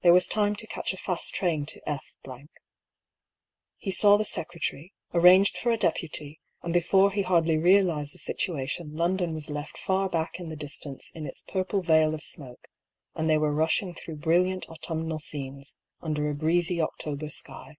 There was time to catch a fast train to F . He saw the secretary, arranged for a deputy, and before he hardly realised the situation London was left far back in the distance in its purple veil of smoke, and they were rushing through brilliant autumnal scenes, under a breezy Octo ber sky.